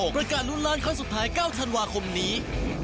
ประกาศลุ้นล้านครั้งสุดท้าย๙ธันวาคมนี้